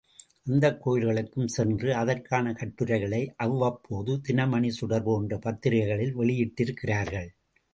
அந்தக் கோயில்களுக்கும் சென்று, அதற்கான கட்டுரைகளை அவ்வப்போது, தினமணி சுடர் போன்ற பத்திரிகைகளில் வெளியிட்டிருக்கிறார்கள்.